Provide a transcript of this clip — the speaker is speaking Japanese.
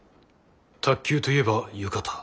卓球といえば浴衣。